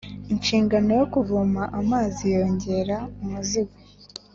inshingano yo kuvoma amazi yongera umuzigo